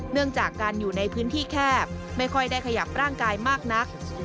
เนื่องจากการอยู่ในพื้นที่แคบไม่ค่อยได้ขยับร่างกายมากนัก